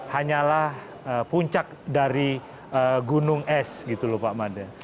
hanyalah puncak dari gunung es gitu loh pak mada